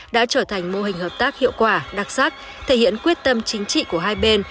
đã trở thành mô hình hợp tác hiệu quả đặc sắc thể hiện quyết tâm chính trị của hai bên